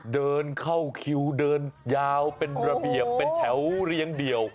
เดินเข้าคิวเดินยาวเป็นระเบียบเป็นแถวเรียงเดี่ยว